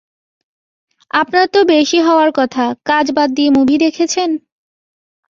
আপনার তো বেশী হওয়ার কথা, কাজ বাদ দিয়ে মুভি দেখেছেন।